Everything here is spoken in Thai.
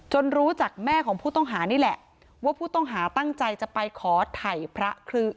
รู้จักแม่ของผู้ต้องหานี่แหละว่าผู้ต้องหาตั้งใจจะไปขอถ่ายพระคือ